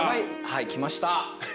はい来ました。